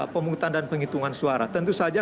pemungutan dan penghitungan suara tentu saja